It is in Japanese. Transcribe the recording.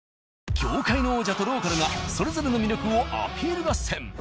業界の王者とローカルがそれぞれの魅力をアピール合戦。